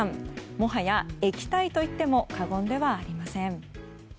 もはや液体といっても過言ではありません。